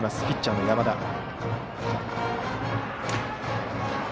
ピッチャーの山田。